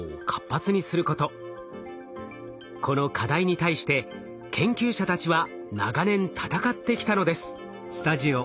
この課題に対して研究者たちは長年闘ってきたのです。